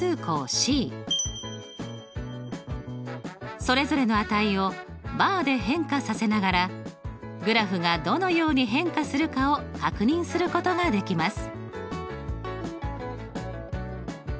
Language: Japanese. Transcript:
ｃそれぞれの値をバーで変化させながらグラフがどのように変化するかを確認することができます。